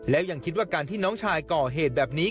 แล้วยังคิดว่าการที่น้องชายก่อเหตุแบบนี้